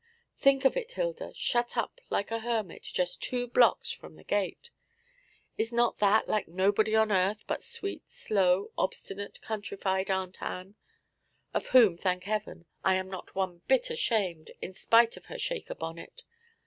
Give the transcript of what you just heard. Think of it, Hilda, shut up like a hermit just two blocks from the gate! Is not that like nobody on earth but sweet, slow, obstinate, countrified Aunt Ann? of whom, thank heaven, I am not one bit ashamed, in spite of her Shaker bonnet.